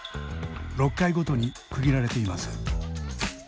６階ごとに区切られています。